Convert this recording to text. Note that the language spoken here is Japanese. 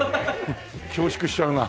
恐縮しちゃうな。